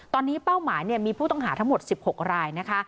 ตอนนี้เป้าหมายมีผู้ต้องหาทั้งหมด๑๖รายนะคะ